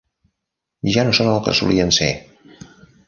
Ja no són el que solien ser!